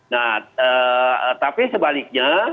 nah tapi sebaliknya